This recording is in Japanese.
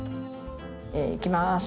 いきます。